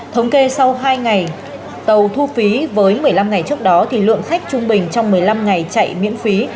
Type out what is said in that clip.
thống kê sau hai ngày tàu thu phí với một mươi năm ngày trước đó thì lượng khách trung bình trong một mươi năm ngày chạy miễn phí